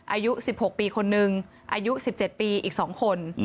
อายุ๑๖ปีคนนึงอายุ๑๗ปีอีก๒คน